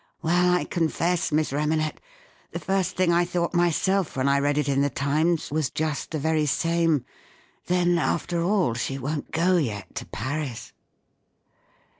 " Well, I confess, Miss Remanet, the first thing I thought myself when I read it in The Times was just the very same :' Then, after all, she won't go yet to Paris